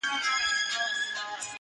چي د دښمن لخوا یې منګی جوړ سوی وي